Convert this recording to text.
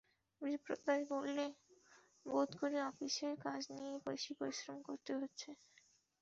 বিপ্রদাস বললে, বোধ করি আপিসের কাজ নিয়ে বেশি পরিশ্রম করতে হচ্ছে।